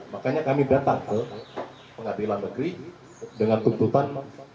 makanya kami datang ke pengadilan negeri dengan tuntutan